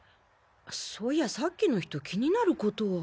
そういやさっきの人気になることを。